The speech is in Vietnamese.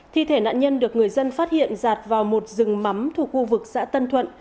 thi thể nạn nhân được người dân phát hiện rạt vào một rừng mắm thuộc khu vực xã tân thuận